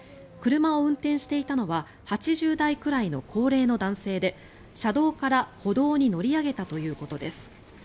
車を運転していたのは８０代くらいの高齢の男性で車道から歩道に乗り上げたということです。